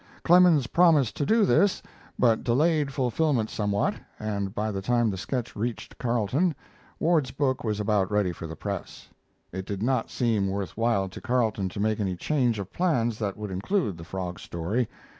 ] Clemens promised to do this, but delayed fulfilment somewhat, and by the time the sketch reached Carleton, Ward's book was about ready for the press. It did not seem worth while to Carleton to make any change of plans that would include the frog story.